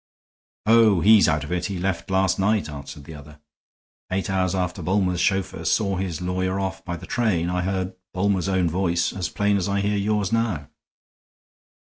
"Oh, he's out of it; he left last night," answered the other. "Eight hours after Bulmer's chauffeur saw his lawyer off by the train I heard Bulmer's own voice as plain as I hear yours now."